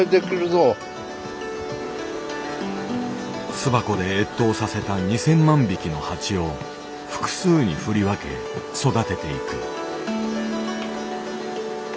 巣箱で越冬させた２，０００万匹の蜂を複数に振り分け育てていく。